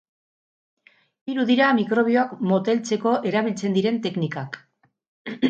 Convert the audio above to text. Hiru dira mikrobioak moteltzeko erabiltzen diren teknikak.